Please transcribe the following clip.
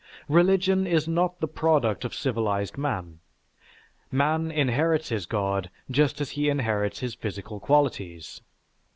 Religion is not the product of civilized man. Man inherits his god just as he inherits his physical qualities.